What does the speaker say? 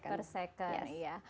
per second ya